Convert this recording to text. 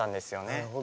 なるほど。